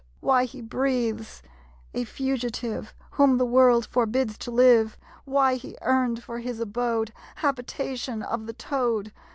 Why he breathes, a fugitive Whom the World forbids to live. Why he earned for his abode, Habitation of the toad!